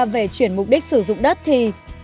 về chuyển mục đích sử dụng đất thì